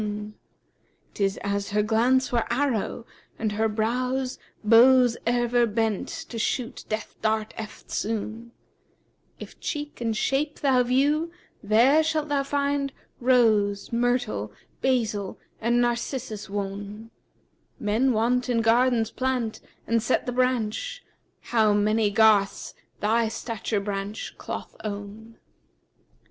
[FN#356] 'Tis as her glance were arrow, and her brows * Bows ever bent to shoot Death dart eftsoon: If cheek and shape thou view, there shalt thou find * Rose, myrtle, basil and Narcissus wone. Men wont in gardens plant and set the branch, * How many garths thy stature branch cloth own!'